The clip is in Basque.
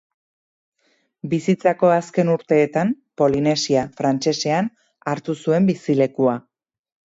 Bizitzako azken urteetan Polinesia frantsesean hartu zuen bizilekua.